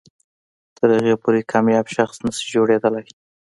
تر هغې پورې کامیاب شخص نه شئ جوړېدلی.